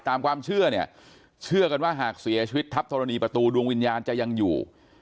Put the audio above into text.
ตามความเชื่อเนี่ยเชื่อกันว่าหากเสียชีวิตทัพธรณีประตูดวงวิญญาณจะยังอยู่